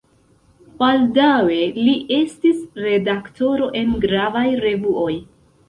Baldaŭe li estis redaktoro en gravaj revuoj.